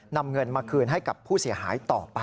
นำเงินมาคืนให้กับผู้เสียหายต่อไป